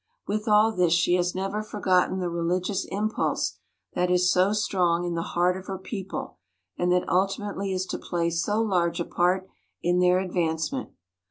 With all this she has never for gotten the religious impulse that is so strong in the heart of her people and that ultimately is to play so large a part in their advancement.